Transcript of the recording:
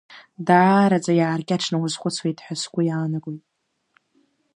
Даараӡа иааркьаҿны уазхәыцуеит ҳәа сгәы иаанагоит…